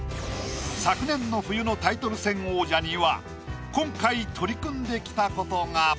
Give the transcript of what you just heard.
昨年の冬のタイトル戦王者には今回取り組んできたことが。